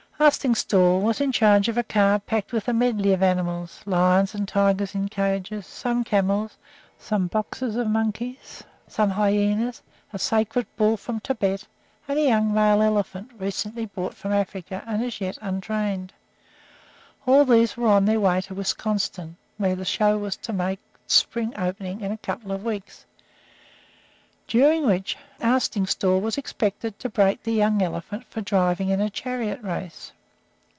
Arstingstall was in charge of a car packed with a medley of animals lions and tigers in cages, some camels, some boxes of monkeys, some hyenas, a sacred bull from Tibet, and a young male elephant recently brought from Africa and as yet untrained. All these were on their way to Wisconsin, where the show was to make its spring opening in a couple of weeks, during which Arstingstall was expected to break the young elephant for driving in a chariot race.